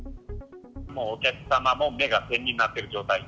もうお客様も目が点になっている状態。